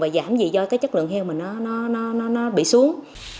và giảm vì do cái chất lượng heo mình nó bị xuống